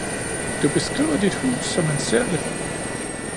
Du beskriver dit hus, så man ser det